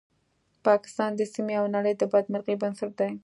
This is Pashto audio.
پاکستان د سیمې او نړۍ د بدمرغۍ بنسټ دی